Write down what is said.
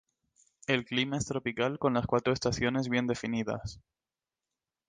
El clima es tropical, con las cuatro estaciones bien definidas.